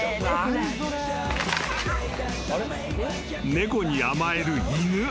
［猫に甘える犬。